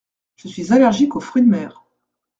Je suis allergique aux fruits de mer.